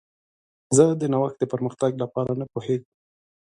زه د نوښت د پرمختګ لپاره نه پوهیږم.